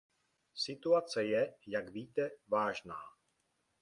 Situace je, jak víte, vážná.